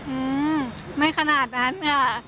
อืมไม่ขนาดนั้นค่ะ